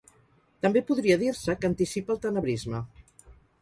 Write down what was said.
També podria dir-se que anticipa el tenebrisme.